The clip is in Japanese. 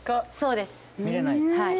はい。